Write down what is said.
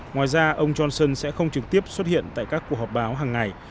ngoài ra ông johnson sẽ không trực tiếp xuất hiện tại các cuộc họp báo hằng ngày